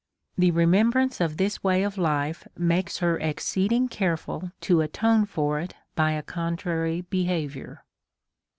The remembrance of this way of life makes her exceedingly careful to atone for it by a contrary behaviour.